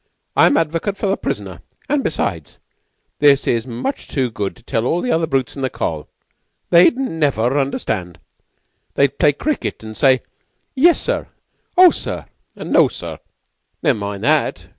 "I'm advocate for the prisoner; and, besides, this is much too good to tell all the other brutes in the Coll. They'd never understand. They play cricket, and say: 'Yes sir,' and 'O, sir,' and 'No, sir.'" "Never mind that.